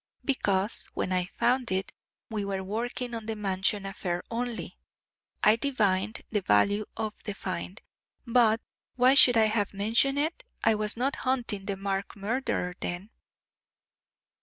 "Because, when I found it, we were working on the Mansion affair only. I divined the value of the find; but why should I have mentioned it? I was not hunting the Mark murderer then."